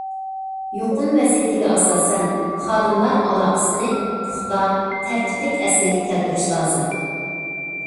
يۇقۇم ۋەزىيىتىگە ئاساسەن خادىملار ئالاقىسىنى پۇختا، تەرتىپلىك ئەسلىگە كەلتۈرۈش لازىم.